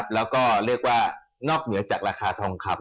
แล้วก็เรียกว่านอกเหนือจากราคาทองคำ